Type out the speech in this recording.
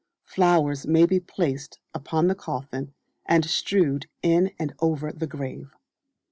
Flowers may be placed, upon the coffin, and strewed in and over the grave.